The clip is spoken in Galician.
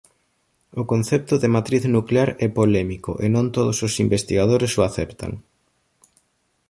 O concepto de matriz nuclear é polémico e non todos os investigadores o aceptan.